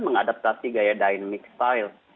mengadaptasi gaya dynamic style